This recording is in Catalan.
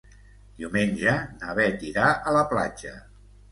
Diumenge na Bet irà a la platja.